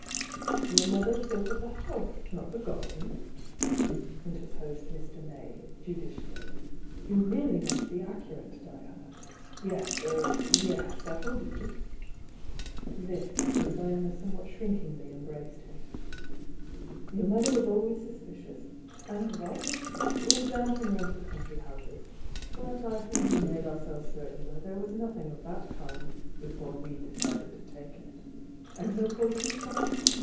"Your mother spoke of the house, not the gar den," interposed Mr. May, judicially. "You really must be accurate, Diana! Yes — er — yes! — that will do!" — this, as Diana somewhat shrinkingly em braced him. "Your mother is always suspicious — and rightly so — of damp in rented country houses, 2S 26 THE YOUNG DIANA but I think we made ourselves certain that there was nothing of that kind before we decided to t&kc it. And no poultry clucking?